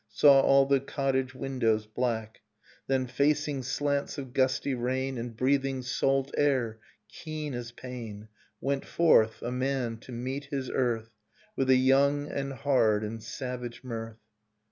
Saw all the cottage windows black. Then, facing slants of gusty rain. And breathing salt air keen as pain, Went forth, a man, to meet his earth With a young and hard and savage mirth.